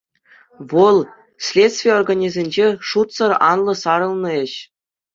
Вӑл — следстви органӗсенче шутсӑр анлӑ сарӑлнӑ ĕç.